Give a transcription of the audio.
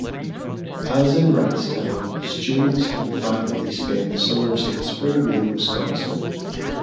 As in Wright's time, students and faculty spend the summers in Spring Green, Wisconsin.